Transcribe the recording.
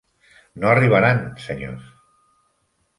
No arribaran, senyors.